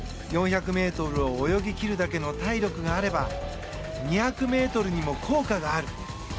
４００ｍを泳ぎ切るだけの体力があれば２００ｍにも効果がある。